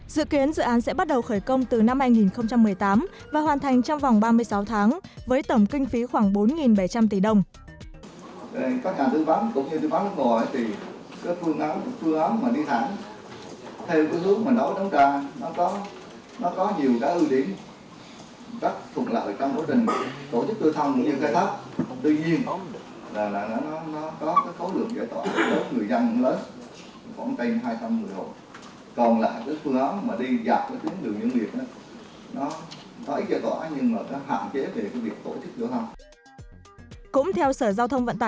dự kiến dự án sẽ bắt đầu khởi công từ năm hai nghìn một mươi tám và hoàn thành trong vòng ba mươi sáu tháng với tổng kinh phí khoảng bốn bảy trăm linh tỷ đồng